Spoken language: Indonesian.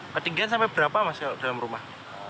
ketinggian sampai berapa mas kalau dalam rumah